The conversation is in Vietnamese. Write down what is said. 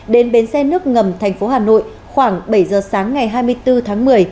đến bến xe nước ngầm thành phố hà nội khoảng bảy giờ sáng ngày hai mươi bốn tháng một mươi